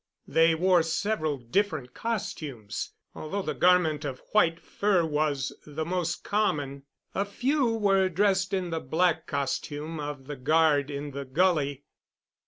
They wore several different costumes, although the garment of white fur was the most common. A few were dressed in the black costume of the guard in the gully.